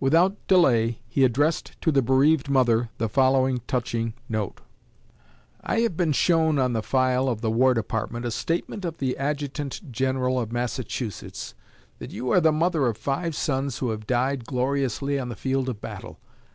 Without delay he addressed to the bereaved mother the following touching note: I have been shown on the file of the War Department a statement of the Adjutant General of Massachusetts, that you are the mother of five sons who have died gloriously on the field of battle.